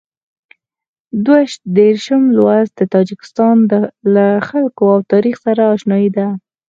دوه دېرشم لوست د تاجکستان له خلکو او تاریخ سره اشنايي ده.